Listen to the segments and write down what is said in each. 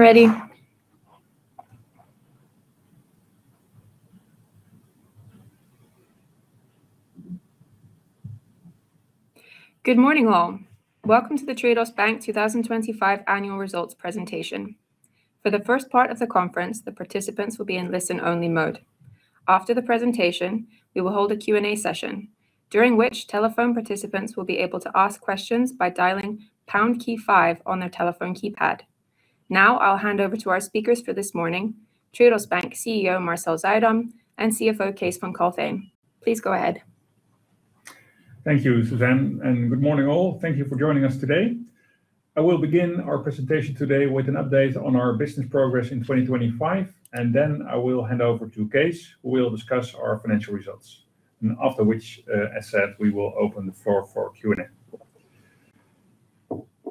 Yeah, we're ready. Good morning, all. Welcome to the Triodos Bank 2025 annual results presentation. For the first part of the conference, the participants will be in listen-only mode. After the presentation, we will hold a Q&A session, during which telephone participants will be able to ask questions by dialing pound key five on their telephone keypad. Now, I'll hand over to our speakers for this morning, Triodos Bank CEO Marcel Zuidam and CFO Kees van Kalveen. Please go ahead. Thank you, Suzanne, and good morning, all. Thank you for joining us today. I will begin our presentation today with an update on our business progress in 2025, and then I will hand over to Kees, who will discuss our financial results. After which, as said, we will open the floor for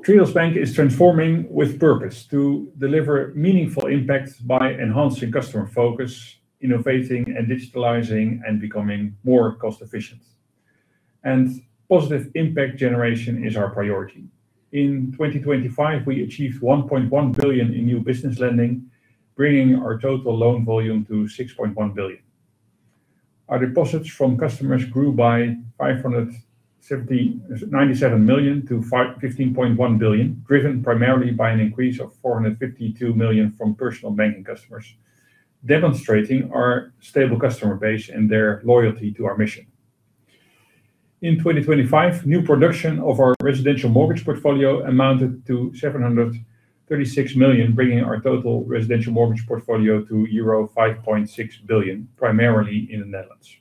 Q&A. Triodos Bank is transforming with purpose to deliver meaningful impact by enhancing customer focus, innovating and digitalizing, and becoming more cost-efficient. Positive impact generation is our priority. In 2025, we achieved 1.1 billion in new business lending, bringing our total loan volume to 6.1 billion. Our deposits from customers grew by 97 million to 15.1 billion, driven primarily by an increase of 452 million from personal banking customers, demonstrating our stable customer base and their loyalty to our mission. In 2025, new production of our residential mortgage portfolio amounted to 736 million, bringing our total residential mortgage portfolio to euro 5.6 billion, primarily in the Netherlands.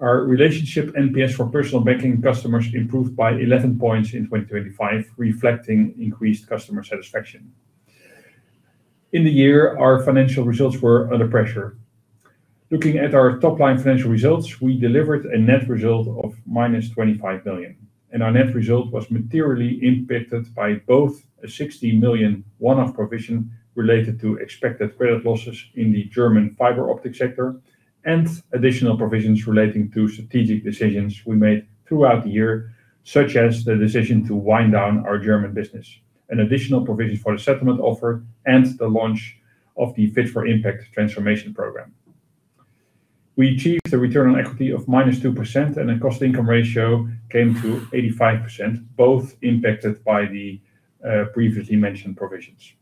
Our relationship NPS for personal banking customers improved by 11 points in 2025, reflecting increased customer satisfaction. In the year, our financial results were under pressure. Looking at our top-line financial results, we delivered a net result of -25 million, and our net result was materially impacted by both a 60 million one-off provision related to expected credit losses in the German fiber optic sector and additional provisions relating to strategic decisions we made throughout the year, such as the decision to wind down our German business, an additional provision for the settlement offer, and the launch of the Fit for Impact transformation program. We achieved a return on equity of -2% and a cost-income ratio came to 85%, both impacted by the previously mentioned provisions.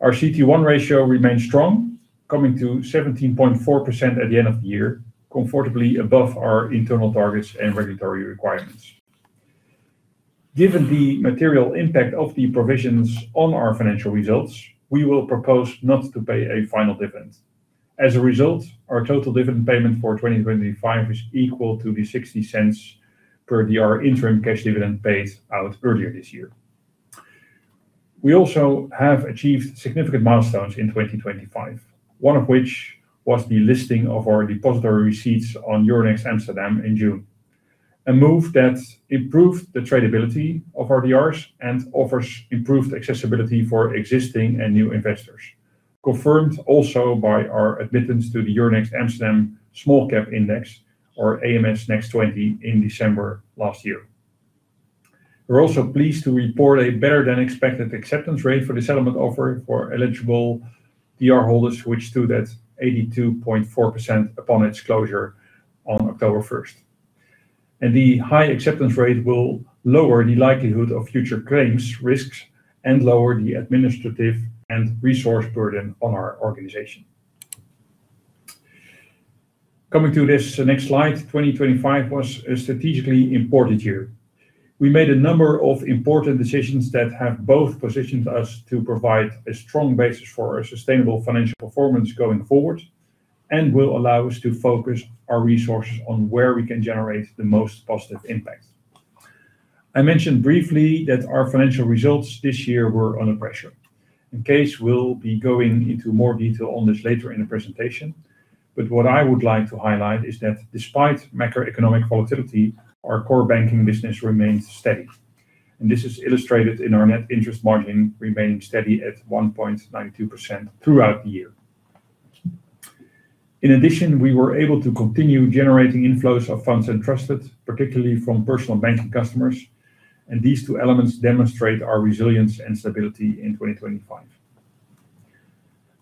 Our CET1 ratio remained strong, coming to 17.4% at the end of the year, comfortably above our internal targets and regulatory requirements. Given the material impact of the provisions on our financial results, we will propose not to pay a final dividend. As a result, our total dividend payment for 2025 is equal to the 0.60 per the interim cash dividend paid out earlier this year. We also have achieved significant milestones in 2025, one of which was the listing of our depository receipts on Euronext Amsterdam in June, a move that improved the tradability of our DRs and offers improved accessibility for existing and new investors, confirmed also by our admittance to the Euronext Amsterdam small cap index, or AMS Next 20, in December last year. We're also pleased to report a better-than-expected acceptance rate for the settlement offer for eligible DR holders, which stood at 82.4% upon its closure on October 1st. The high acceptance rate will lower the likelihood of future claims risks and lower the administrative and resource burden on our organization. Coming to this next slide, 2025 was a strategically important year. We made a number of important decisions that have both positioned us to provide a strong basis for our sustainable financial performance going forward and will allow us to focus our resources on where we can generate the most positive impact. I mentioned briefly that our financial results this year were under pressure. Kees will be going into more detail on this later in the presentation, but what I would like to highlight is that despite macroeconomic volatility, our core banking business remains steady. This is illustrated in our net interest margin remaining steady at 1.92% throughout the year. In addition, we were able to continue generating inflows of entrusted funds, particularly from personal banking customers, and these two elements demonstrate our resilience and stability in 2025.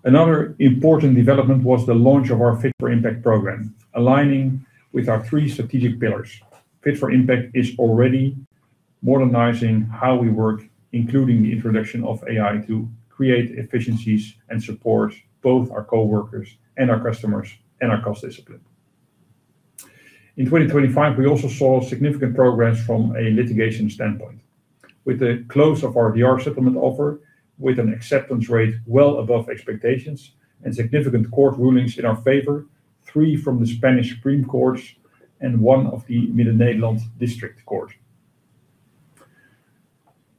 Another important development was the launch of our Fit for Impact program, aligning with our three strategic pillars. Fit for Impact is already modernizing how we work, including the introduction of AI to create efficiencies and support both our coworkers and our customers and our cost discipline. In 2025, we also saw significant progress from a litigation standpoint. With the close of our DR settlement offer, with an acceptance rate well above expectations and significant court rulings in our favor, three from the Supreme Court of Spain and one of the Midden-Nederland District Court.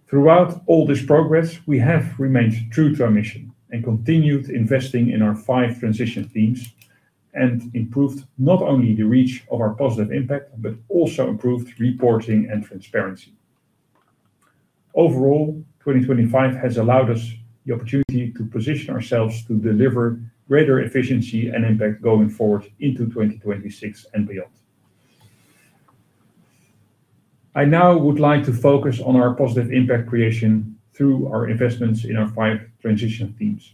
Throughout all this progress, we have remained true to our mission and continued investing in our five transition themes and improved not only the reach of our positive impact but also improved reporting and transparency. Overall, 2025 has allowed us the opportunity to position ourselves to deliver greater efficiency and impact going forward into 2026 and beyond. I now would like to focus on our positive impact creation through our investments in our five transition themes.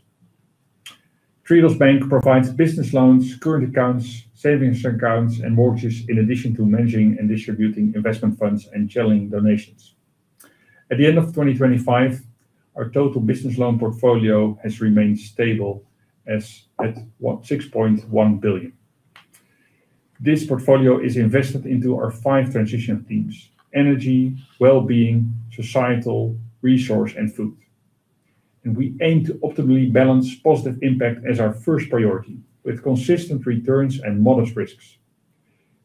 Triodos Bank provides business loans, current accounts, savings accounts, and mortgages, in addition to managing and distributing investment funds and channeling donations. At the end of 2025, our total business loan portfolio has remained stable at 6.1 billion. This portfolio is invested into our five transition themes, energy, well-being, societal, resource, and food. We aim to optimally balance positive impact as our first priority, with consistent returns and modest risks.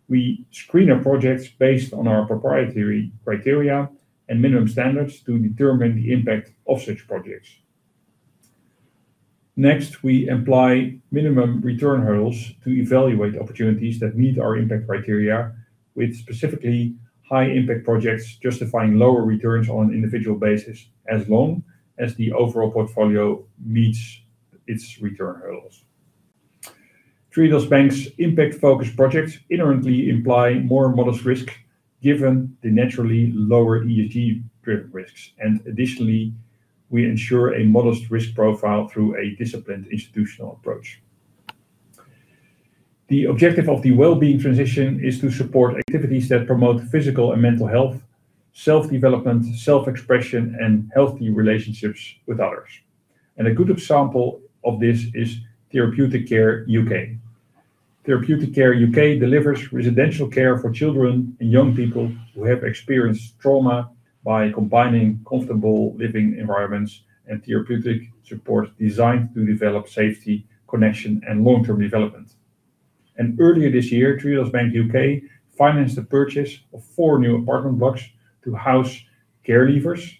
We screen our projects based on our proprietary criteria and minimum standards to determine the impact of such projects. Next, we apply minimum return hurdles to evaluate opportunities that meet our impact criteria with specifically high-impact projects justifying lower returns on an individual basis as long as the overall portfolio meets its return hurdles. Triodos Bank's impact-focused projects inherently imply more modest risk given the naturally lower ESG-driven risks. Additionally, we ensure a modest risk profile through a disciplined institutional approach. The objective of the well-being transition is to support activities that promote physical and mental health, self-development, self-expression, and healthy relationships with others. A good example of this is Therapeutic Care U.K. Therapeutic Care U.K. delivers residential care for children and young people who have experienced trauma by combining comfortable living environments and therapeutic support designed to develop safety, connection, and long-term development. Earlier this year, Triodos Bank U.K. financed the purchase of four new apartment blocks to house care leavers,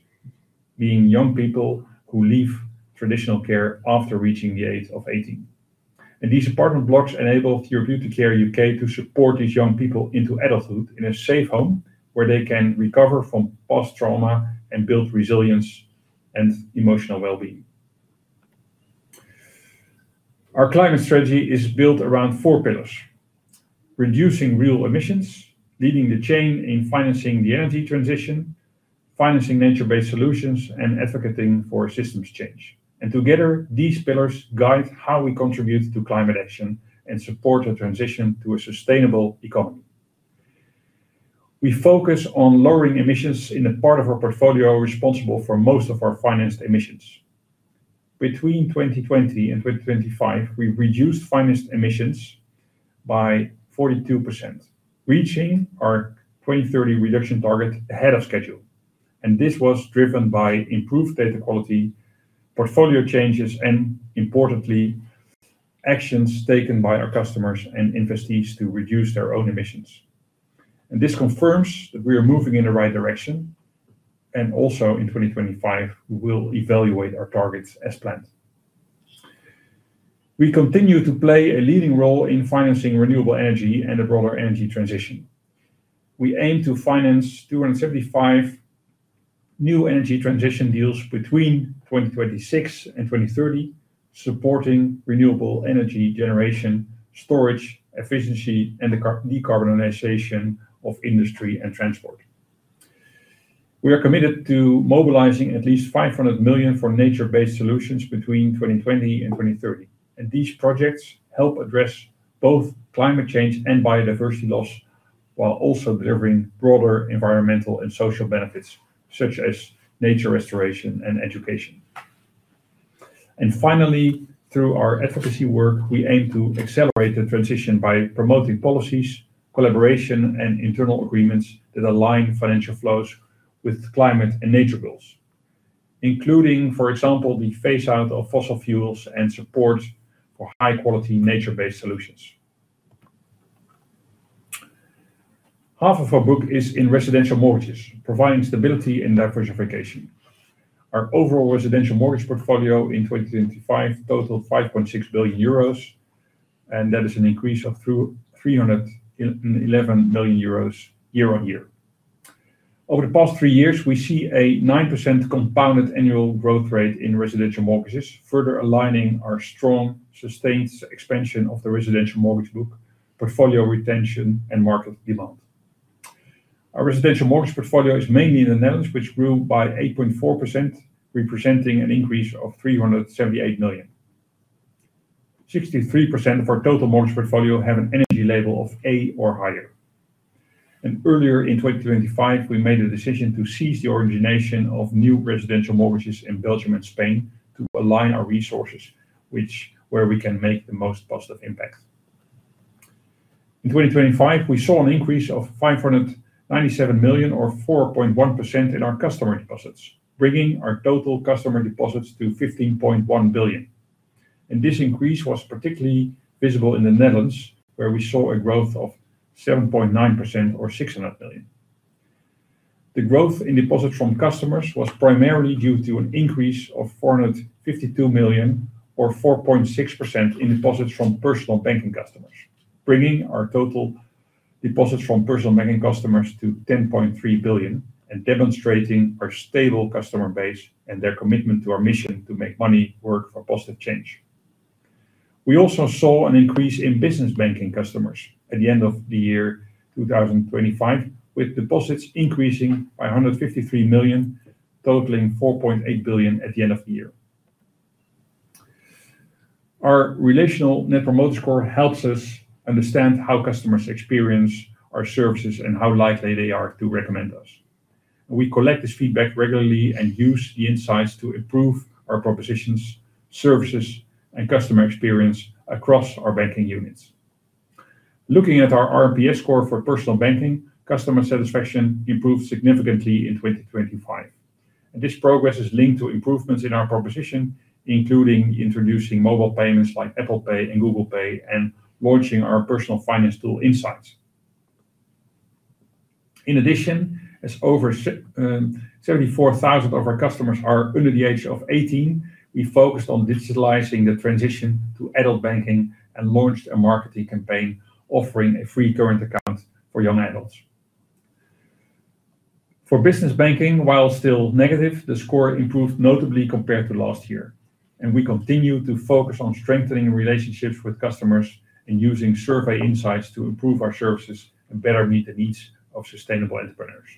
being young people who leave traditional care after reaching the age of 18. These apartment blocks enable Therapeutic Care U.K. to support these young people into adulthood in a safe home where they can recover from past trauma and build resilience and emotional well-being. Our climate strategy is built around four pillars, reducing real emissions, leading the change in financing the energy transition, financing nature-based solutions, and advocating for systems change. Together, these pillars guide how we contribute to climate action and support a transition to a sustainable economy. We focus on lowering emissions in the part of our portfolio responsible for most of our financed emissions. Between 2020 and 2025, we reduced financed emissions by 42%, reaching our 2030 reduction target ahead of schedule. This was driven by improved data quality, portfolio changes, and importantly, actions taken by our customers and investees to reduce their own emissions. This confirms that we are moving in the right direction. Also in 2025, we will evaluate our targets as planned. We continue to play a leading role in financing renewable energy and the broader energy transition. We aim to finance 275 new energy transition deals between 2026 and 2030, supporting renewable energy generation, storage, efficiency, and the decarbonization of industry and transport. We are committed to mobilizing at least 500 million for nature-based solutions between 2020 and 2030. These projects help address both climate change and biodiversity loss while also delivering broader environmental and social benefits such as nature restoration and education. Finally, through our advocacy work, we aim to accelerate the transition by promoting policies, collaboration, and internal agreements that align financial flows with climate and nature goals, including, for example, the phase-out of fossil fuels and support for high-quality, nature-based solutions. Half of our book is in residential mortgages, providing stability and diversification. Our overall residential mortgage portfolio in 2025 totaled 5.6 billion euros, and that is an increase of 311 million euros year on year. Over the past three years, we see a 9% compounded annual growth rate in residential mortgages, further aligning our strong, sustained expansion of the residential mortgage book, portfolio retention, and market demand. Our residential mortgage portfolio is mainly in the Netherlands, which grew by 8.4%, representing an increase of 378 million. 63% of our total mortgage portfolio have an energy label of A or higher. Earlier in 2025, we made a decision to cease the origination of new residential mortgages in Belgium and Spain to align our resources, where we can make the most positive impact. In 2025, we saw an increase of 597 million or 4.1% in our customer deposits, bringing our total customer deposits to 15.1 billion. This increase was particularly visible in the Netherlands, where we saw a growth of 7.9% or 600 million. The growth in deposits from customers was primarily due to an increase of 452 million or 4.6% in deposits from personal banking customers, bringing our total deposits from personal banking customers to 10.3 billion and demonstrating our stable customer base and their commitment to our mission to make money work for positive change. We also saw an increase in business banking customers at the end of the year 2025, with deposits increasing by 153 million, totaling 4.8 billion at the end of the year. Our Relationship Net Promoter Score helps us understand how customers experience our services and how likely they are to recommend us. We collect this feedback regularly and use the insights to improve our propositions, services, and customer experience across our banking units. Looking at our RNPS score for personal banking, customer satisfaction improved significantly in 2025. This progress is linked to improvements in our proposition, including introducing mobile payments like Apple Pay and Google Pay and launching our personal finance tool insights. In addition, as over 74,000 of our customers are under the age of 18, we focused on digitalizing the transition to adult banking and launched a marketing campaign offering a free current account for young adults. For business banking, while still negative, the score improved notably compared to last year, and we continue to focus on strengthening relationships with customers and using survey insights to improve our services and better meet the needs of sustainable entrepreneurs.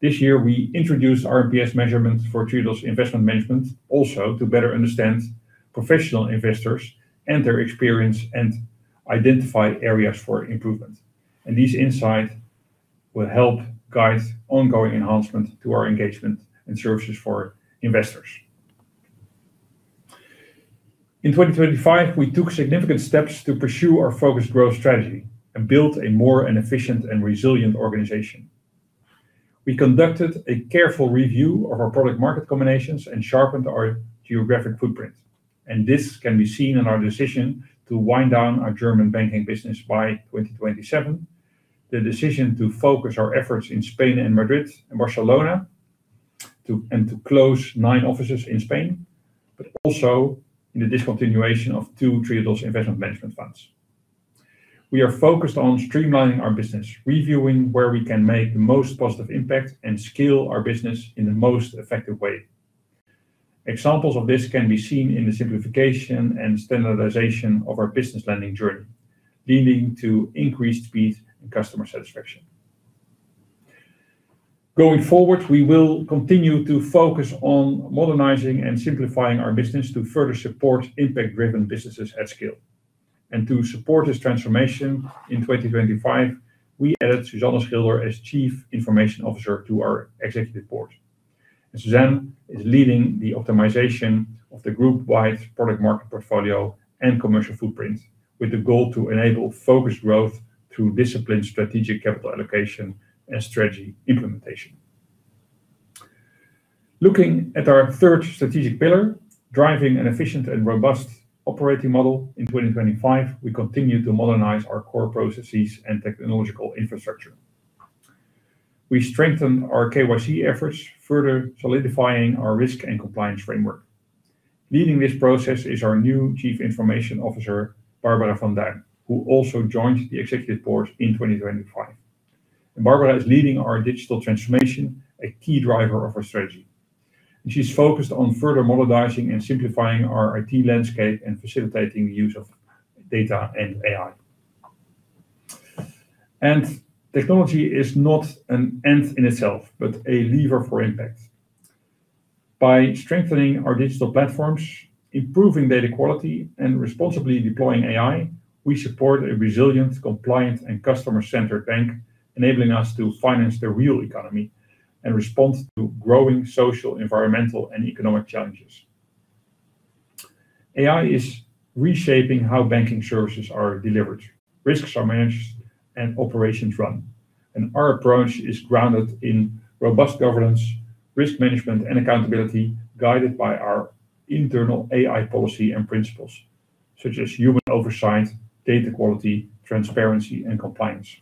This year, we introduced RNPS measurements for Triodos Investment Management also to better understand professional investors and their experience and identify areas for improvement. These insights will help guide ongoing enhancement to our engagement and services for investors. In 2025, we took significant steps to pursue our focused growth strategy and build a more efficient and resilient organization. We conducted a careful review of our product market combinations and sharpened our geographic footprint. This can be seen in our decision to wind down our German banking business by 2027. The decision to focus our efforts in Spain and Madrid and Barcelona too, and to close nine offices in Spain, but also in the discontinuation of two Triodos Investment Management funds. We are focused on streamlining our business, reviewing where we can make the most positive impact, and scale our business in the most effective way. Examples of this can be seen in the simplification and standardization of our business lending journey, leading to increased speed and customer satisfaction. Going forward, we will continue to focus on modernizing and simplifying our business to further support impact-driven businesses at scale. To support this transformation, in 2025, we added Suzanne Schilder as Chief Information Officer to our executive board. Susanne is leading the optimization of the group-wide product market portfolio and commercial footprint with the goal to enable focused growth through disciplined strategic capital allocation and strategy implementation. Looking at our third strategic pillar, driving an efficient and robust operating model in 2025, we continue to modernize our core processes and technological infrastructure. We strengthen our KYC efforts, further solidifying our risk and compliance framework. Leading this process is our new Chief Information Officer, Barbara van Duijn, who also joined the executive board in 2025. Barbara is leading our digital transformation, a key driver of our strategy. She's focused on further modernizing and simplifying our IT landscape and facilitating the use of data and AI. Technology is not an end in itself, but a lever for impact. By strengthening our digital platforms, improving data quality, and responsibly deploying AI, we support a resilient, compliant, and customer-centered bank, enabling us to finance the real economy and respond to growing social, environmental, and economic challenges. AI is reshaping how banking services are delivered, risks are managed, and operations run. Our approach is grounded in robust governance, risk management, and accountability, guided by our internal AI policy and principles, such as human oversight, data quality, transparency, and compliance.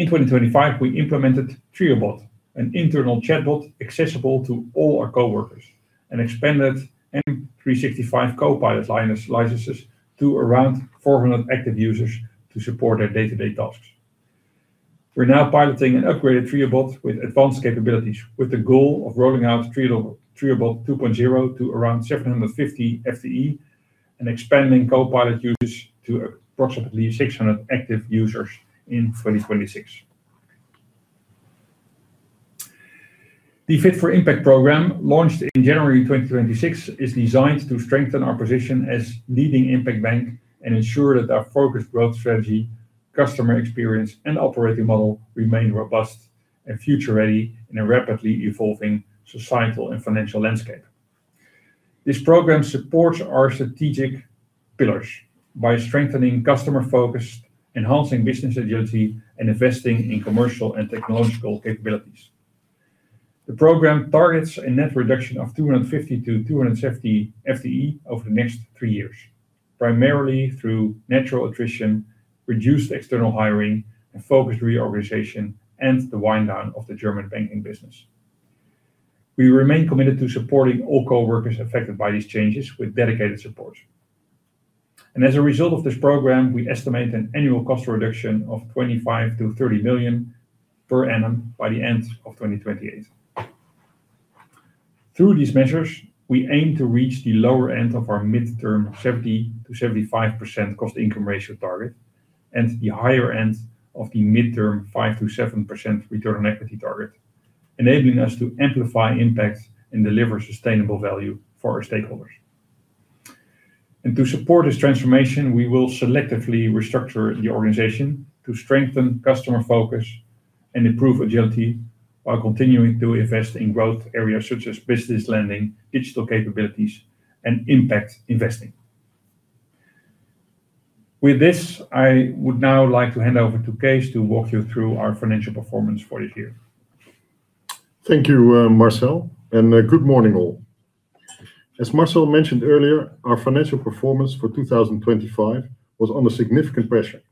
In 2025, we implemented Triobot, an internal chatbot accessible to all our coworkers, and expanded M365 Copilot licenses to around 400 active users to support their day-to-day tasks. We're now piloting an upgraded Triobot with advanced capabilities with the goal of rolling out Triobot 2.0 to around 750 FTE and expanding Copilot users to approximately 600 active users in 2026. The Fit for Impact program, launched in January 2026, is designed to strengthen our position as leading impact bank and ensure that our focused growth strategy, customer experience, and operating model remain robust and future-ready in a rapidly evolving societal and financial landscape. This program supports our strategic pillars by strengthening customer focus, enhancing business agility, and investing in commercial and technological capabilities. The program targets a net reduction of 250-270 FTE over the next three years, primarily through natural attrition, reduced external hiring, and focused reorganization, and the wind down of the German banking business. We remain committed to supporting all coworkers affected by these changes with dedicated support. As a result of this program, we estimate an annual cost reduction of 25 million-30 million per annum by the end of 2028. Through these measures, we aim to reach the lower end of our midterm 70%-75% cost-income ratio target and the higher end of the midterm 5%-7% return on equity target, enabling us to amplify impact and deliver sustainable value for our stakeholders. To support this transformation, we will selectively restructure the organization to strengthen customer focus and improve agility while continuing to invest in growth areas such as business lending, digital capabilities, and impact investing. With this, I would now like to hand over to Kees to walk you through our financial performance for this year. Thank you, Marcel, and good morning all. As Marcel mentioned earlier, our financial performance for 2025 was under significant pressure,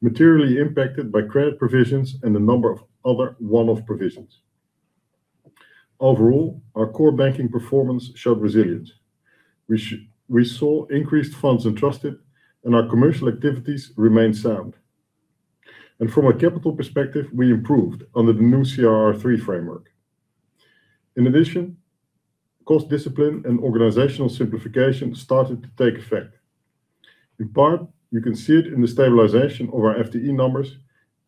materially impacted by credit provisions and a number of other one-off provisions. Overall, our core banking performance showed resilience, which we saw in increased funds under trust and our commercial activities remained sound. From a capital perspective, we improved under the new CRR3 framework. In addition, cost discipline and organizational simplification started to take effect. In part, you can see it in the stabilization of our FTE numbers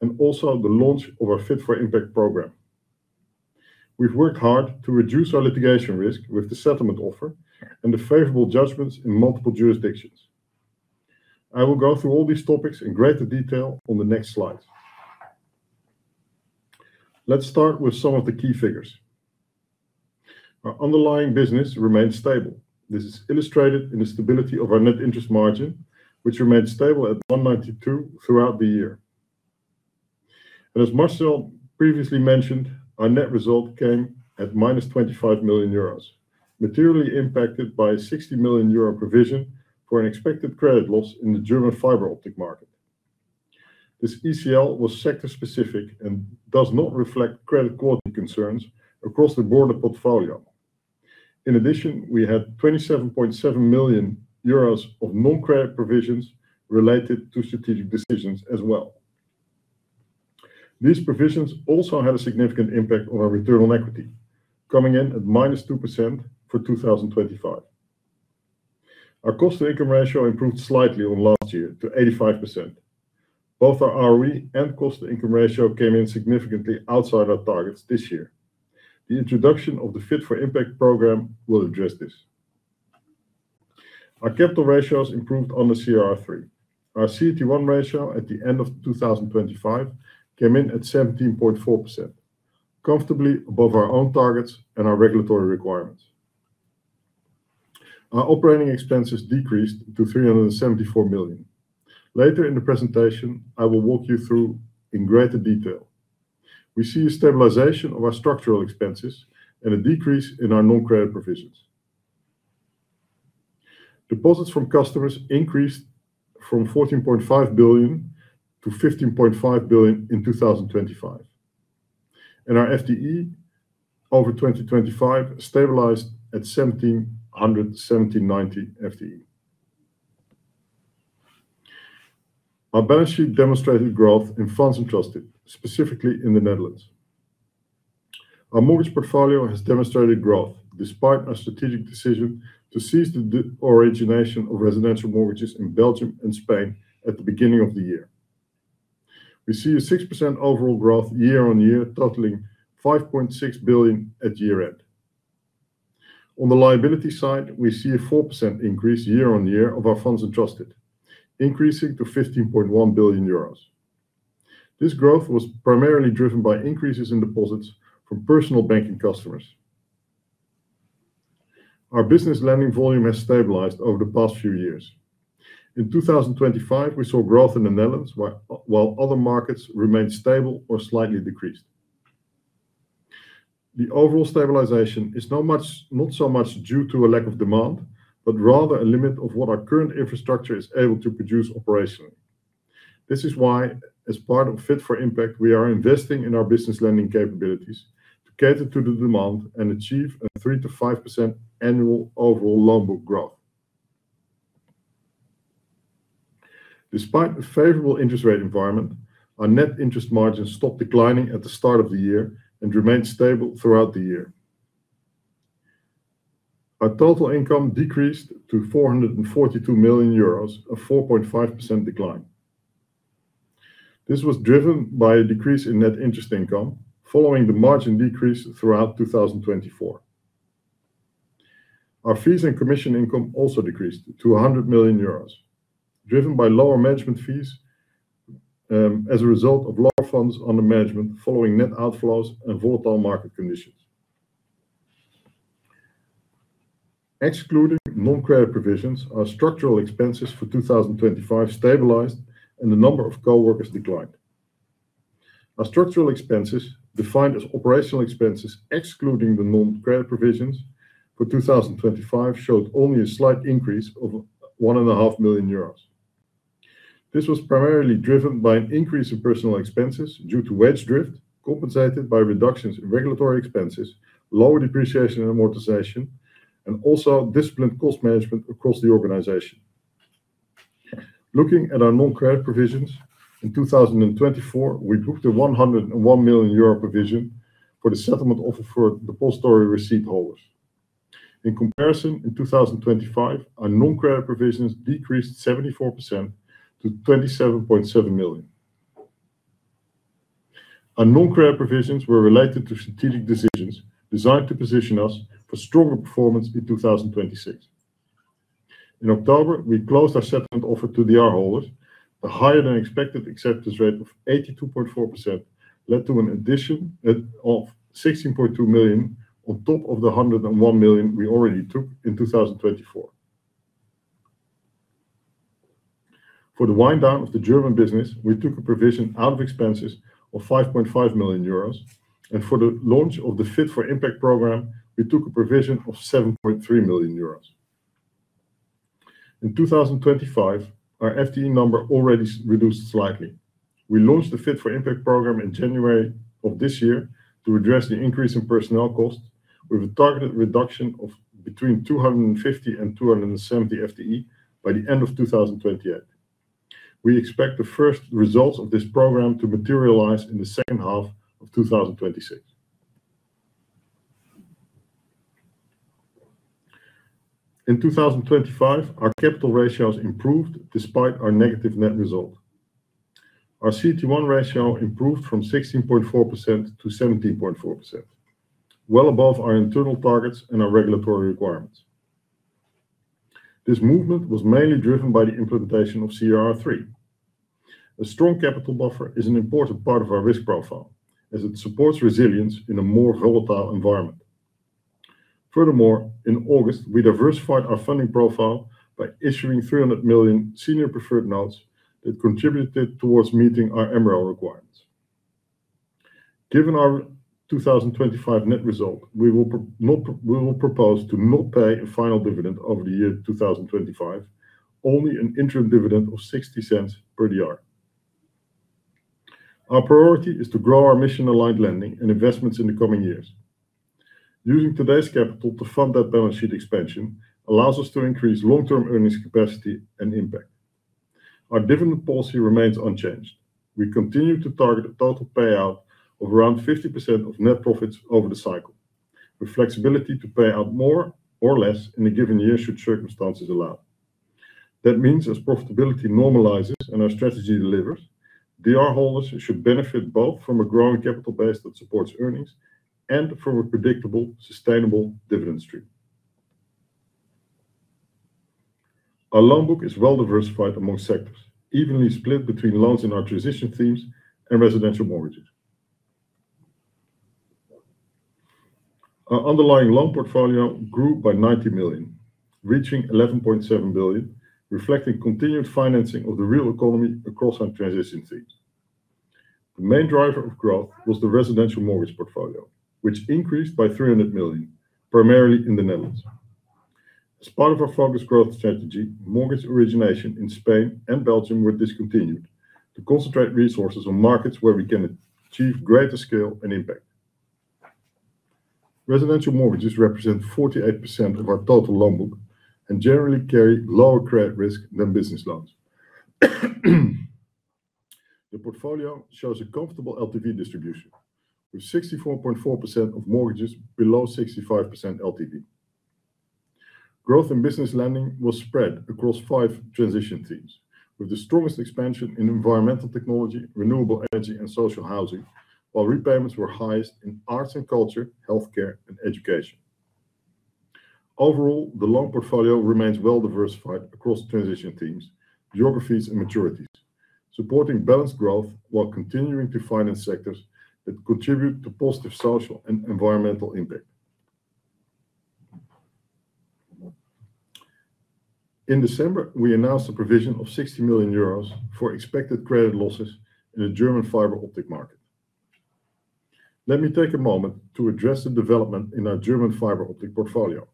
and also the launch of our Fit for Impact program. We've worked hard to reduce our litigation risk with the settlement offer and the favorable judgments in multiple jurisdictions. I will go through all these topics in greater detail on the next slide. Let's start with some of the key figures. Our underlying business remained stable. This is illustrated in the stability of our net interest margin, which remained stable at 1.92% throughout the year. As Marcel previously mentioned, our net result came at -25 million euros, materially impacted by a 60 million euro provision for an expected credit loss in the German fiber optic market. This ECL was sector-specific and does not reflect credit quality concerns across the board of portfolio. In addition, we had 27.7 million euros of non-credit provisions related to strategic decisions as well. These provisions also had a significant impact on our return on equity, coming in at -2% for 2025. Our cost-income ratio improved slightly on last year to 85%. Both our ROE and cost-income ratio came in significantly outside our targets this year. The introduction of the Fit for Impact program will address this. Our capital ratios improved on the CRR3. Our CET1 ratio at the end of 2025 came in at 17.4%, comfortably above our own targets and our regulatory requirements. Our operating expenses decreased to 374 million. Later in the presentation, I will walk you through in greater detail. We see a stabilization of our structural expenses and a decrease in our non-credit provisions. Deposits from customers increased from 14.5 billion to 15.5 billion in 2025. Our FTE over 2025 stabilized at 1,700-1,790 FTE. Our balance sheet demonstrated growth in funds entrusted, specifically in the Netherlands. Our mortgage portfolio has demonstrated growth despite our strategic decision to cease origination of residential mortgages in Belgium and Spain at the beginning of the year. We see a 6% overall growth year-on-year, totaling 5.6 billion at year-end. On the liability side, we see a 4% increase year-on-year of our funds adjusted, increasing to 15.1 billion euros. This growth was primarily driven by increases in deposits from personal banking customers. Our business lending volume has stabilized over the past few years. In 2025, we saw growth in the Netherlands while other markets remained stable or slightly decreased. The overall stabilization is not much, not so much due to a lack of demand, but rather a limit of what our current infrastructure is able to produce operationally. This is why, as part of Fit for Impact, we are investing in our business lending capabilities to cater to the demand and achieve a 3%-5% annual overall loan book growth. Despite the favorable interest rate environment, our net interest margin stopped declining at the start of the year and remained stable throughout the year. Our total income decreased to 442 million euros, a 4.5% decline. This was driven by a decrease in net interest income following the margin decrease throughout 2024. Our fees and commission income also decreased to 100 million euros, driven by lower management fees as a result of lower funds under management following net outflows and volatile market conditions. Excluding non-credit provisions, our structural expenses for 2025 stabilized and the number of coworkers declined. Our structural expenses, defined as operational expenses excluding the non-credit provisions for 2025, showed only a slight increase of 1.5 million euros. This was primarily driven by an increase in personal expenses due to wage drift, compensated by reductions in regulatory expenses, lower depreciation and amortization, and also disciplined cost management across the organization. Looking at our non-credit provisions, in 2024, we booked a 101 million euro provision for the settlement offer for the depository receipt holders. In comparison, in 2025, our non-credit provisions decreased 74% to 27.7 million. Our non-credit provisions were related to strategic decisions designed to position us for stronger performance in 2026. In October, we closed our settlement offer to the DR holders. The higher than expected acceptance rate of 82.4% led to an addition of 16.2 million on top of the 101 million we already took in 2024. For the wind down of the German business, we took a provision out of expenses of 5.5 million euros, and for the launch of the Fit for Impact program, we took a provision of 7.3 million euros. In 2025, our FTE number already reduced slightly. We launched the Fit for Impact program in January of this year to address the increase in personnel costs with a targeted reduction of between 250 and 270 FTE by the end of 2028. We expect the first results of this program to materialize in the second half of 2026. In 2025, our capital ratios improved despite our negative net result. Our CET1 ratio improved from 16.4% to 17.4%, well above our internal targets and our regulatory requirements. This movement was mainly driven by the implementation of CRR3. A strong capital buffer is an important part of our risk profile as it supports resilience in a more volatile environment. Furthermore, in August, we diversified our funding profile by issuing 300 million senior preferred notes that contributed towards meeting our MREL requirements. Given our 2025 net result, we will propose to not pay a final dividend over the year 2025, only an interim dividend of 0.60 per DR. Our priority is to grow our mission-aligned lending and investments in the coming years. Using today's capital to fund that balance sheet expansion allows us to increase long-term earnings capacity and impact. Our dividend policy remains unchanged. We continue to target a total payout of around 50% of net profits over the cycle, with flexibility to pay out more or less in a given year should circumstances allow. That means as profitability normalizes and our strategy delivers, DR holders should benefit both from a growing capital base that supports earnings and from a predictable, sustainable dividend stream. Our loan book is well-diversified among sectors, evenly split between loans in our transition themes and residential mortgages. Our underlying loan portfolio grew by 90 million, reaching 11.7 billion, reflecting continued financing of the real economy across our transition themes. The main driver of growth was the residential mortgage portfolio, which increased by 300 million, primarily in the Netherlands. As part of our focused growth strategy, mortgage origination in Spain and Belgium were discontinued to concentrate resources on markets where we can achieve greater scale and impact. Residential mortgages represent 48% of our total loan book and generally carry lower credit risk than business loans. The portfolio shows a comfortable LTV distribution, with 64.4% of mortgages below 65% LTV. Growth in business lending was spread across five transition themes, with the strongest expansion in environmental technology, renewable energy and social housing, while repayments were highest in arts and culture, healthcare and education. Overall, the loan portfolio remains well-diversified across transition themes, geographies and maturities, supporting balanced growth while continuing to finance sectors that contribute to positive social and environmental impact. In December, we announced a provision of 60 million euros for expected credit losses in the German fiber optic market. Let me take a moment to address the development in our German fiber optic portfolio.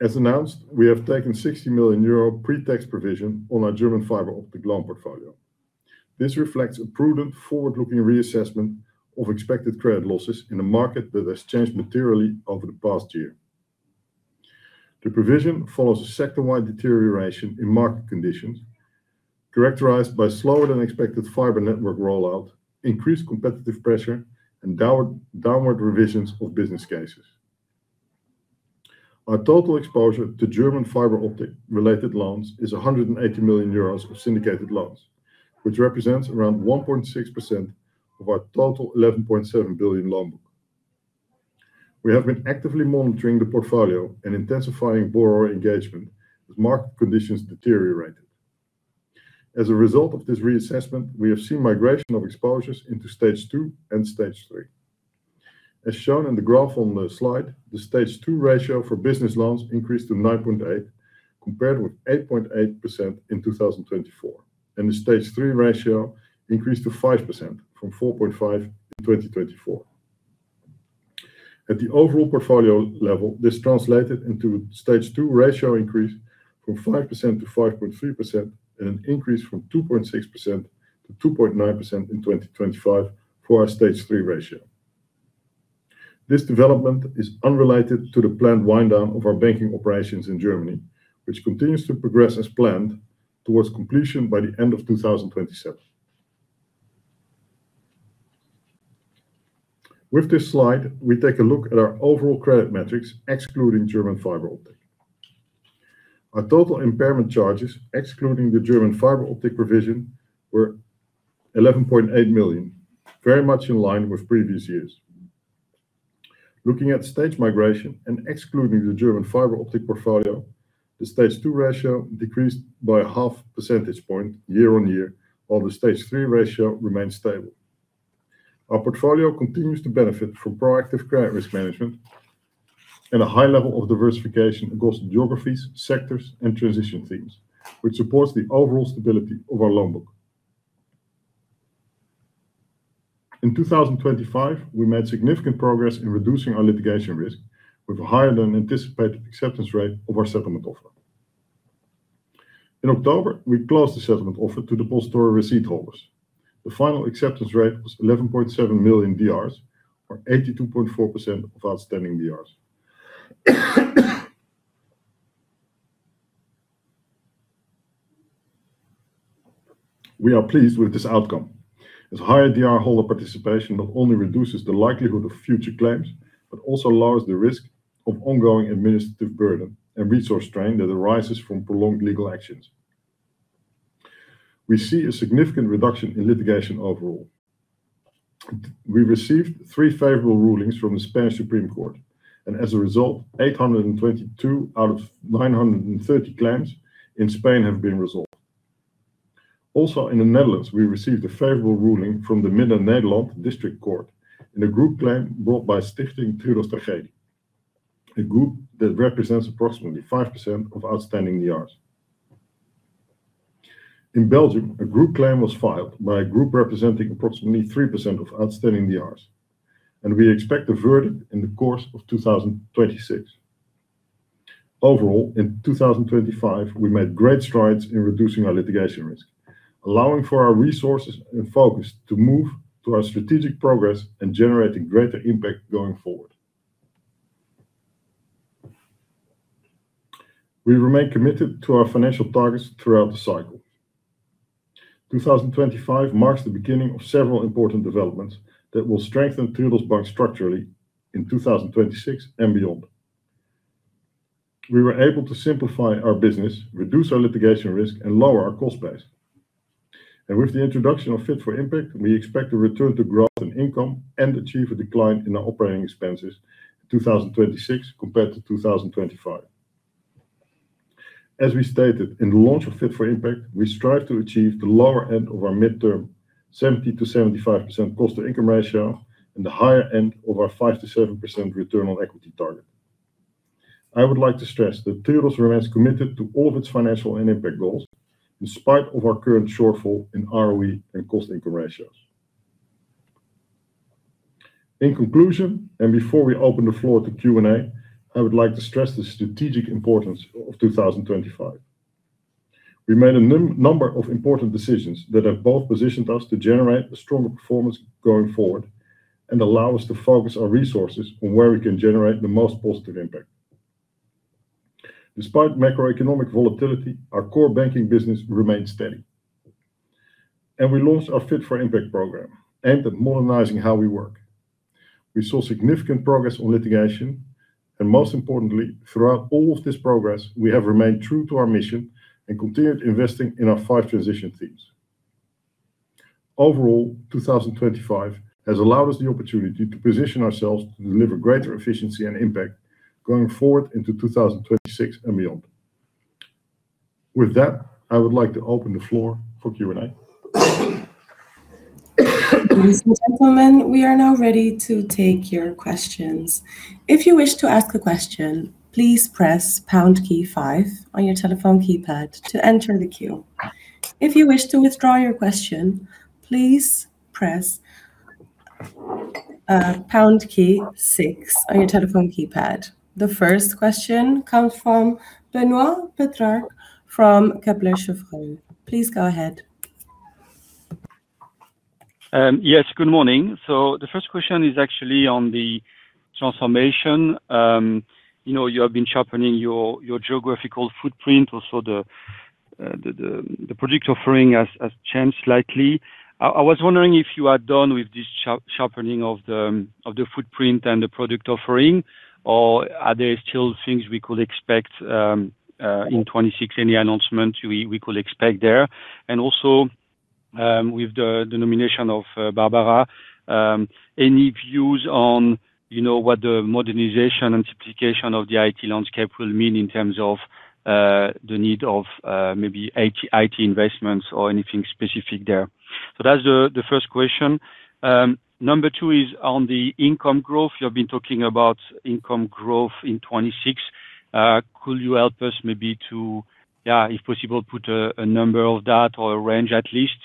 As announced, we have taken 60 million euro pre-tax provision on our German fiber optic loan portfolio. This reflects a prudent forward-looking reassessment of expected credit losses in a market that has changed materially over the past year. The provision follows a sector-wide deterioration in market conditions characterized by slower than expected fiber network rollout, increased competitive pressure and downward revisions of business cases. Our total exposure to German fiber optic related loans is 180 million euros of syndicated loans, which represents around 1.6% of our total 11.7 billion loan book. We have been actively monitoring the portfolio and intensifying borrower engagement as market conditions deteriorated. As a result of this reassessment, we have seen migration of exposures into stage two and stage three. As shown in the graph on the slide, the stage two ratio for business loans increased to 9.8, compared with 8.8% in 2024, and the stage three ratio increased to 5% from 4.5 in 2024. At the overall portfolio level, this translated into stage two ratio increase from 5% to 5.3% and an increase from 2.6% to 2.9% in 2025 for our stage three ratio. This development is unrelated to the planned wind down of our banking operations in Germany, which continues to progress as planned towards completion by the end of 2027. With this slide, we take a look at our overall credit metrics excluding German fiber optic. Our total impairment charges, excluding the German fiber optic provision, were 11.8 million, very much in line with previous years. Looking at stage migration and excluding the German fiber optic portfolio, the stage two ratio decreased by 0.5 percentage point year-on-year, while the stage three ratio remained stable. Our portfolio continues to benefit from proactive credit risk management and a high level of diversification across geographies, sectors, and transition themes, which supports the overall stability of our loan book. In 2025, we made significant progress in reducing our litigation risk with a higher than anticipated acceptance rate of our settlement offer. In October, we closed the settlement offer to the depository receipt holders. The final acceptance rate was 11.7 million DRs or 82.4% of outstanding DRs. We are pleased with this outcome as higher DR holder participation not only reduces the likelihood of future claims but also lowers the risk of ongoing administrative burden and resource strain that arises from prolonged legal actions. We see a significant reduction in litigation overall. We received three favorable rulings from the Supreme Court of Spain, and as a result, 822 out of 930 claims in Spain have been resolved. Also in the Netherlands, we received a favorable ruling from the Midden-Nederland District Court in a group claim brought by Stichting Triodos Tragedie, a group that represents approximately 5% of outstanding DRs. In Belgium, a group claim was filed by a group representing approximately 3% of outstanding DRs, and we expect a verdict in the course of 2026. Overall, in 2025, we made great strides in reducing our litigation risk, allowing for our resources and focus to move to our strategic progress and generating greater impact going forward. We remain committed to our financial targets throughout the cycle. 2025 marks the beginning of several important developments that will strengthen Triodos Bank structurally in 2026 and beyond. We were able to simplify our business, reduce our litigation risk, and lower our cost base. With the introduction of Fit for Impact, we expect to return to growth and income and achieve a decline in our operating expenses in 2026 compared to 2025. As we stated in the launch of Fit for Impact, we strive to achieve the lower end of our midterm, 70%-75% cost-to-income ratio and the higher end of our 5%-7% return on equity target. I would like to stress that Triodos remains committed to all of its financial and impact goals in spite of our current shortfall in ROE and cost-income ratios. In conclusion, and before we open the floor to Q&A, I would like to stress the strategic importance of 2025. We made a number of important decisions that have both positioned us to generate a stronger performance going forward and allow us to focus our resources on where we can generate the most positive impact. Despite macroeconomic volatility, our core banking business remains steady. We launched our Fit for Impact program aimed at modernizing how we work. We saw significant progress on litigation, and most importantly, throughout all of this progress, we have remained true to our mission and continued investing in our five transition themes. Overall, 2025 has allowed us the opportunity to position ourselves to deliver greater efficiency and impact going forward into 2026 and beyond. With that, I would like to open the floor for Q&A. Ladies and gentlemen, we are now ready to take your questions. If you wish to ask a question, please press pound key five on your telephone keypad to enter the queue. If you wish to withdraw your question, please press pound key six on your telephone keypad. The first question comes from Benoit Pétrarque from Kepler Cheuvreux. Please go ahead. Yes. Good morning. The first question is actually on the transformation. You know, you have been sharpening your geographical footprint, also the product offering has changed slightly. I was wondering if you are done with this sharpening of the footprint and the product offering, or are there still things we could expect in 2026, any announcement we could expect there? With the nomination of Barbara, any views on, you know, what the modernization and simplification of the IT landscape will mean in terms of the need of maybe IT investments or anything specific there? That's the first question. Number two is on the income growth. You have been talking about income growth in 2026. Could you help us maybe to, if possible, put a number on that or a range at least,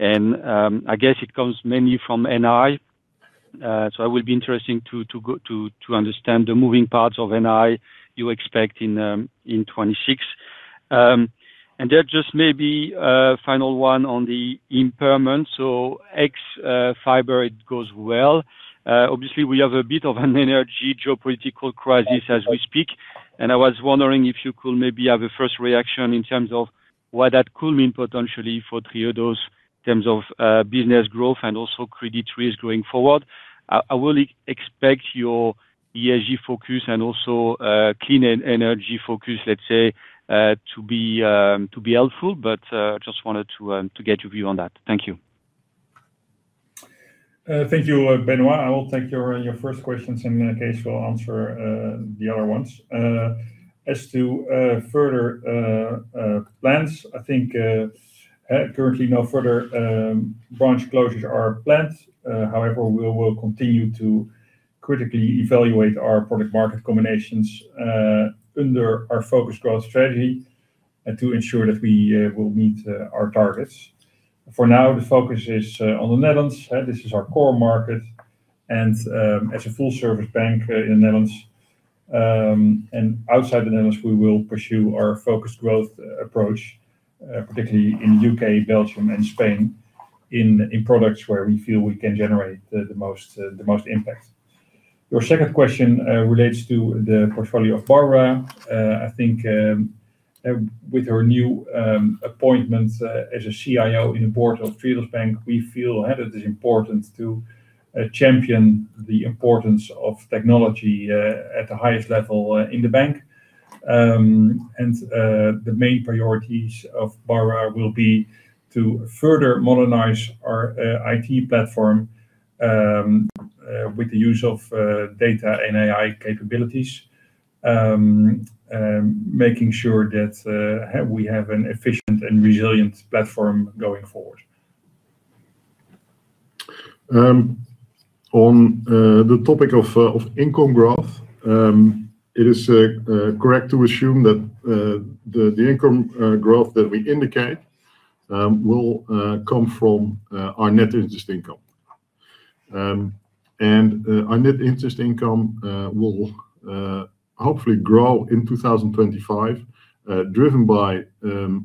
and I guess it comes mainly from NI, so it will be interesting to understand the moving parts of NI you expect in 2026. Then just maybe a final one on the impairment, so ex fiber, it goes well. Obviously, we have a bit of an energy geopolitical crisis as we speak, and I was wondering if you could maybe have a first reaction in terms of what that could mean potentially for Triodos in terms of business growth and also credit risk going forward. I will expect your ESG focus and also clean energy focus, let's say, to be helpful, but just wanted to get your view on that. Thank you. Thank you, Benoit. I will take your first questions, and then Kees will answer the other ones. As to further plans, I think currently no further branch closures are planned. However, we will continue to critically evaluate our product market combinations under our focused growth strategy and to ensure that we will meet our targets. For now, the focus is on the Netherlands. This is our core market and, as a full-service bank, in the Netherlands, and outside the Netherlands, we will pursue our focused growth approach, particularly in U.K., Belgium, and Spain in products where we feel we can generate the most impact. Your second question relates to the portfolio of Barbara. I think with her new appointment as a CIO on the board of Triodos Bank, we feel that it's important to champion the importance of technology at the highest level in the bank. The main priorities of Barbara will be to further modernize our IT platform with the use of data and AI capabilities, making sure that we have an efficient and resilient platform going forward. On the topic of income growth, it is correct to assume that the income growth that we indicate will come from our net interest income. Our net interest income will hopefully grow in 2025, driven by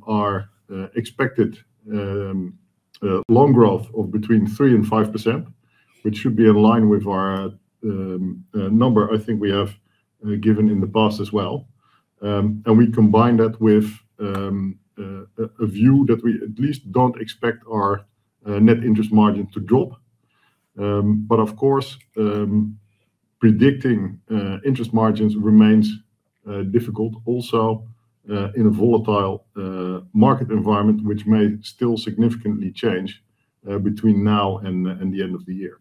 our expected loan growth of between 3% and 5%, which should be in line with our number I think we have given in the past as well. We combine that with a view that we at least don't expect our net interest margin to drop. Of course, predicting interest margins remains difficult also in a volatile market environment, which may still significantly change between now and the end of the year.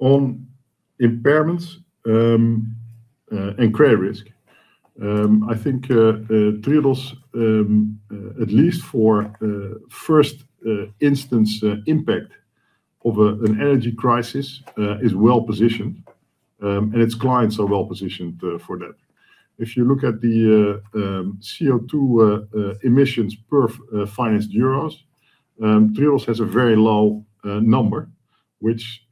On impairments and credit risk, I think Triodos, at least for first instance impact of an energy crisis, is well positioned, and its clients are well positioned for that. If you look at the CO2 emissions per financed euros, Triodos has a very low number which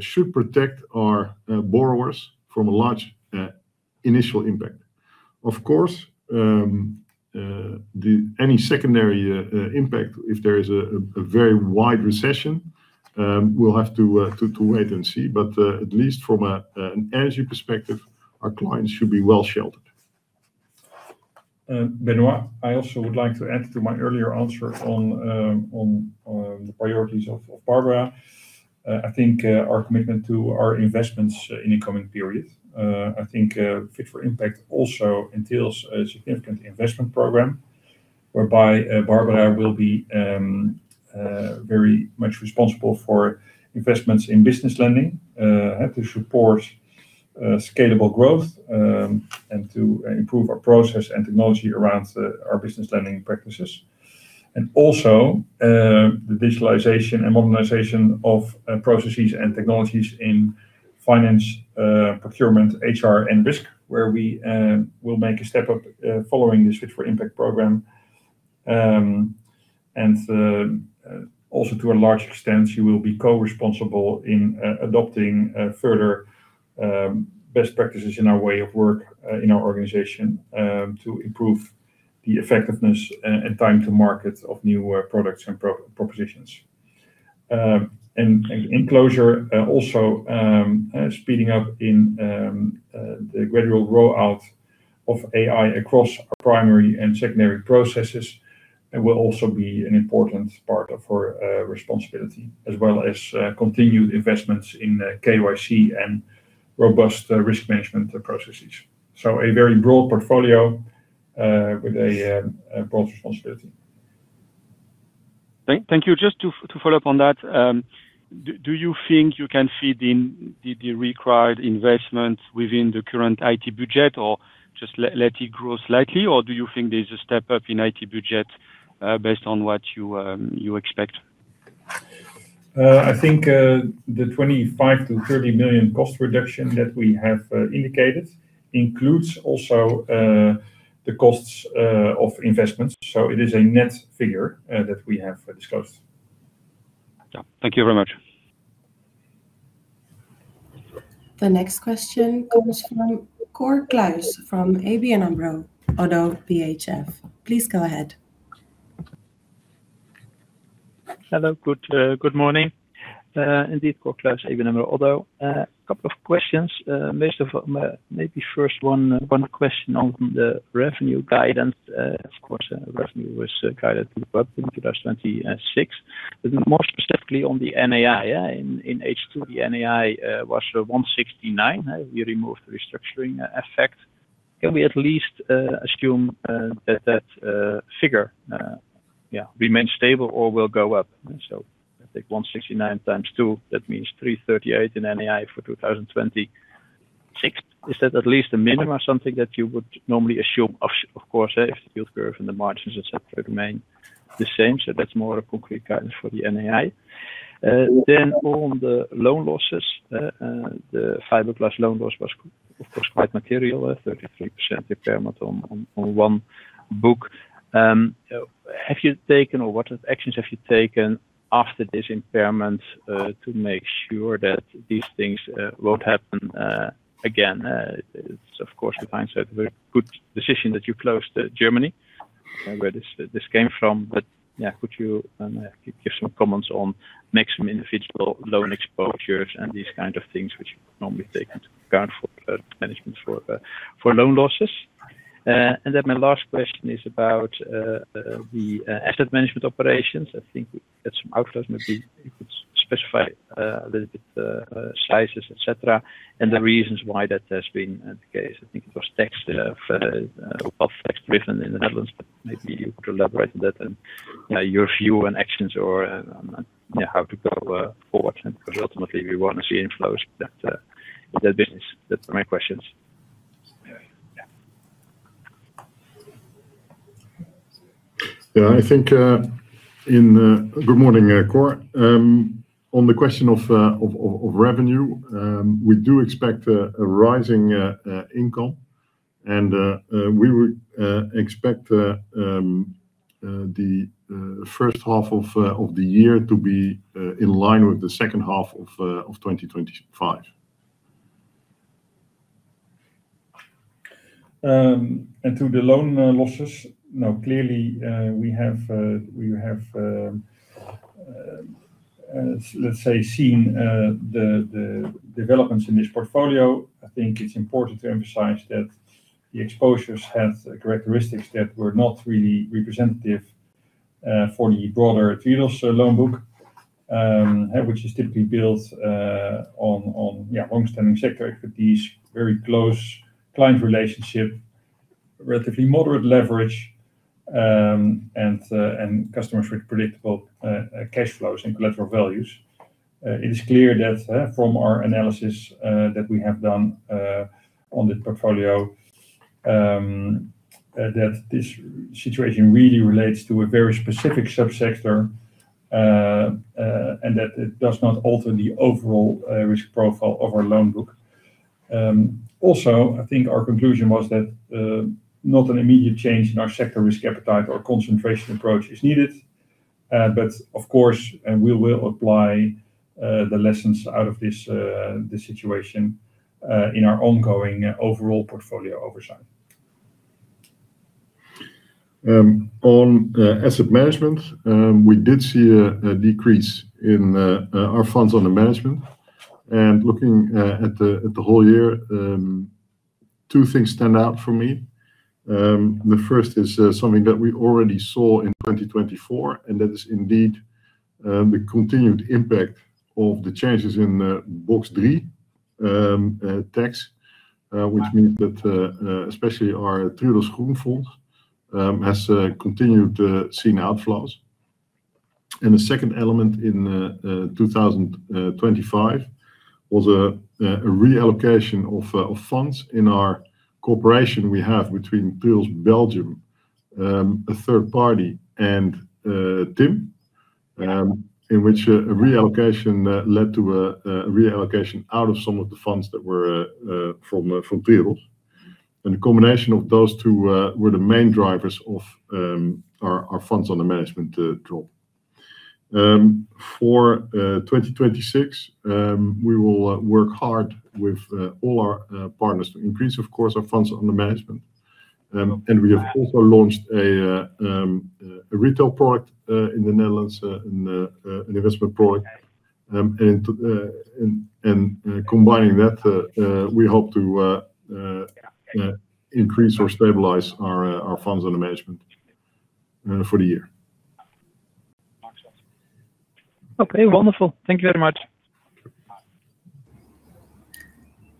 should protect our borrowers from a large initial impact. Of course, any secondary impact, if there is a very wide recession, we'll have to wait and see. At least from an energy perspective, our clients should be well sheltered. Benoit, I also would like to add to my earlier answer on the priorities of Barbara. I think our commitment to our investments in the coming period, Fit for Impact also entails a significant investment program whereby Barbara will be very much responsible for investments in business lending to support scalable growth and to improve our process and technology around our business lending practices. Also, the digitalization and modernization of processes and technologies in finance, procurement, HR, and risk, where we will make a step up following this Fit for Impact program. Also to a large extent, she will be co-responsible in adopting further best practices in our way of work in our organization to improve the effectiveness and time to market of new products and propositions. In closing, also speeding up the gradual rollout of AI across our primary and secondary processes will also be an important part of her responsibility, as well as continued investments in KYC and robust risk management processes. A very broad portfolio with a broad responsibility. Thank you. Just to follow up on that, do you think you can fit in the required investments within the current IT budget or just let it grow slightly or do you think there's a step up in IT budget, based on what you expect? I think the 25 million-30 million cost reduction that we have indicated includes also the costs of investments. It is a net figure that we have discussed. Yeah. Thank you very much. The next question comes from Cor Kluis from ABN AMRO - Oddo BHF. Please go ahead. Hello. Good morning. Indeed, Cor Kluis, ABN AMRO - Oddo BHF. Couple of questions. Most of, maybe first one question on the revenue guidance. Of course, revenue was guided up in 2026. More specifically on the NII. In H2, the NII was 169. We removed the restructuring effect. Can we at least assume that figure remains stable or will go up? I think 169 X 2, that means 338 in NII for 2026. Is that at least a minimum, something that you would normally assume? Of course, if the yield curve and the margins, et cetera, remain the same. That's more a concrete guidance for the NII. Then on the loan losses, the fiberglass loan loss was, of course, quite material, 33% impairment on one book. What actions have you taken after this impairment to make sure that these things won't happen again? It's, of course, we find that a very good decision that you closed Germany, where this came from. But yeah, could you give some comments on maximum individual loan exposures and these kind of things which you normally take into account for management for loan losses? Then my last question is about the asset management operations. I think that's some outflows. Maybe you could specify a little bit sizes, et cetera, and the reasons why that has been the case. I think it was tax, wealth tax driven in the Netherlands. Maybe you could elaborate on that and, yeah, your view and actions or, yeah, how to go forward. Because ultimately we want to see inflows in that business. That's my questions. Yeah. Good morning, Cor. On the question of revenue, we do expect a rising income and we would expect the first half of the year to be in line with the second half of 2025. To the loan losses. Now, clearly, we have, let's say, seen the developments in this portfolio. I think it's important to emphasize that the exposures had characteristics that were not really representative for the broader Triodos loan book, which is typically built on longstanding sector equities, very close client relationship, relatively moderate leverage, and customers with predictable cash flows and collateral values. It is clear that from our analysis that we have done on the portfolio that this situation really relates to a very specific subsector, and that it does not alter the overall risk profile of our loan book. Also, I think our conclusion was that not an immediate change in our sector risk appetite or concentration approach is needed. Of course, and we will apply the lessons out of this situation in our ongoing overall portfolio oversight. On asset management, we did see a decrease in our funds under management. Looking at the whole year, two things stand out for me. The first is something that we already saw in 2024, and that is indeed the continued impact of the changes in Box 3 tax. Which means that especially our Triodos Groenfonds has continued seeing outflows. The second element in 2025 was a reallocation of funds in our cooperation we have between Triodos Belgium, a third party and TIM, in which a reallocation led to a reallocation out of some of the funds that were from Triodos. The combination of those two were the main drivers of our funds under management drop. For 2026, we will work hard with all our partners to increase, of course, our funds under management. We have also launched a retail product in the Netherlands, an investment product. Combining that, we hope to increase or stabilize our funds under management for the year. Okay, wonderful. Thank you very much.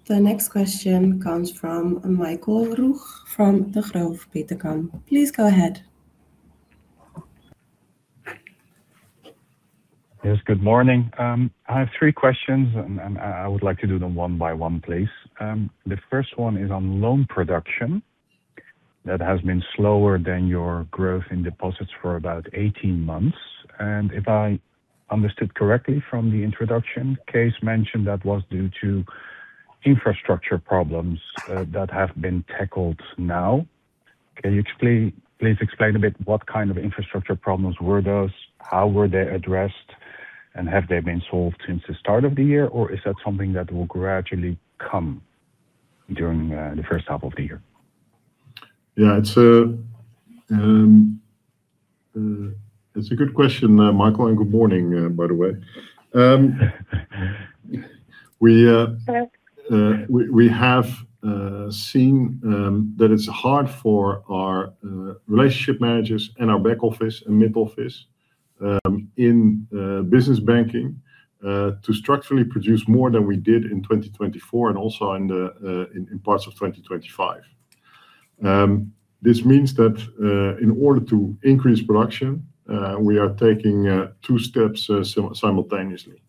The next question comes from Michael Roeg from Degroof Petercam. Please go ahead. Yes. Good morning. I have three questions, and I would like to do them one by one, please. The first one is on loan production. That has been slower than your growth in deposits for about 18 months. If I understood correctly from the introduction, Kees mentioned that was due to infrastructure problems that have been tackled now. Please explain a bit what kind of infrastructure problems were those, how were they addressed, and have they been solved since the start of the year, or is that something that will gradually come during the first half of the year? Yeah. It's a good question, Michael, and good morning, by the way. We have seen that it's hard for our relationship managers and our back office and mid-office in business banking to structurally produce more than we did in 2024 and also in parts of 2025. This means that in order to increase production, we are taking two steps simultaneously.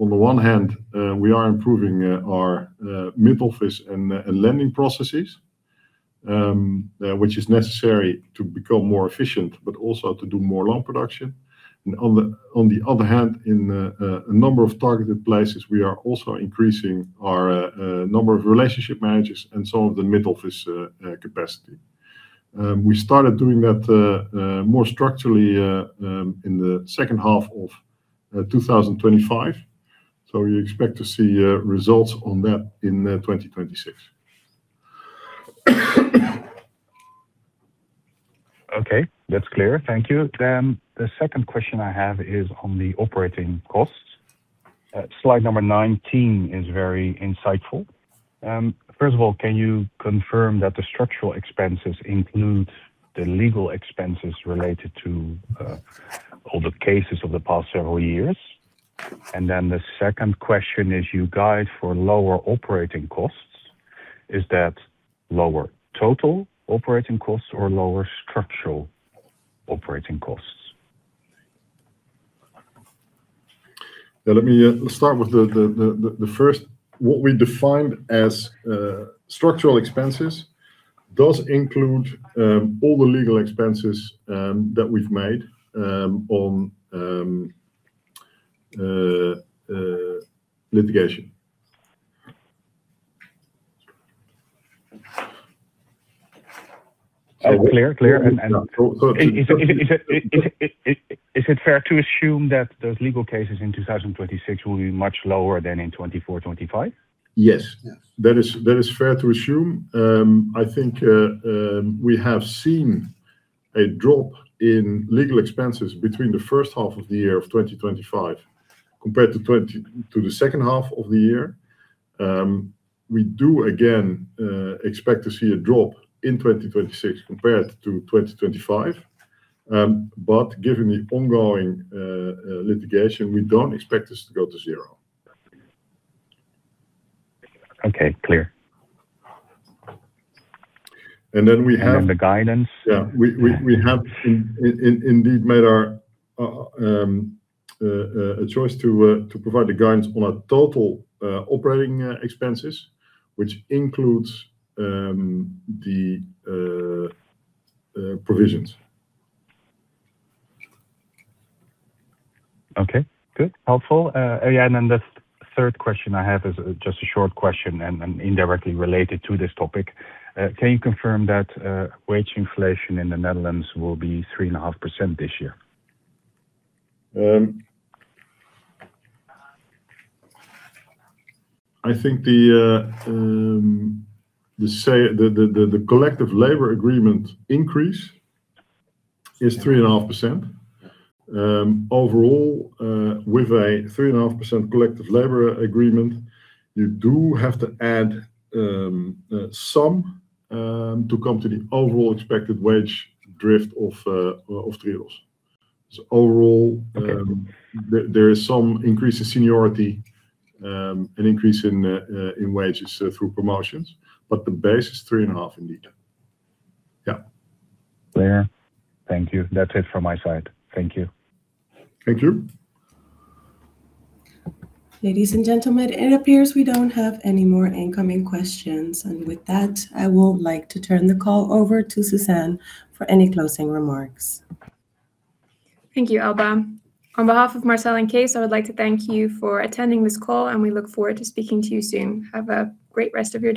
On the one hand, we are improving our mid-office and lending processes, which is necessary to become more efficient but also to do more loan production. On the other hand, in a number of targeted places, we are also increasing our number of relationship managers and some of the mid-office capacity. We started doing that more structurally in the second half of 2025, so we expect to see results on that in 2026. Okay, that's clear. Thank you. The second question I have is on the operating costs. Slide number 19 is very insightful. First of all, can you confirm that the structural expenses include the legal expenses related to all the cases of the past several years? The second question is you guide for lower operating costs. Is that lower total operating costs or lower structural operating costs? Yeah. Let me start with the first. What we defined as structural expenses does include all the legal expenses that we've made on litigation. Clear. Go on. Is it fair to assume that those legal cases in 2026 will be much lower than in 2024, 2025? Yes. That is fair to assume. I think we have seen a drop in legal expenses between the first half of the year of 2025 compared to the second half of the year. We do again expect to see a drop in 2026 compared to 2025. Given the ongoing litigation, we don't expect this to go to zero. Okay. Clear. We have. The guidance. Yeah. We have indeed made a choice to provide the guidance on our total operating expenses, which includes the provisions. Okay. Good. Helpful. Yeah, the third question I have is just a short question and indirectly related to this topic. Can you confirm that wage inflation in the Netherlands will be 3.5% this year? I think the collective labor agreement increase is 3.5%. Overall, with a 3.5% collective labor agreement, you do have to add some to come to the overall expected wage drift of Triodos. Overall- Okay There is some increase in seniority and increase in wages through promotions, but the base is 3.5% indeed. Yeah. Clear. Thank you. That's it from my side. Thank you. Thank you. Ladies and gentlemen, it appears we don't have any more incoming questions. With that, I would like to turn the call over to Suzanne for any closing remarks. Thank you, Alba. On behalf of Marcel and Kees, I would like to thank you for attending this call, and we look forward to speaking to you soon. Have a great rest of your day.